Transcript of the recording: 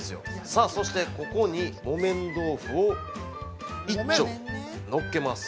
さあ、そして、ここに木綿豆腐を１丁のっけます。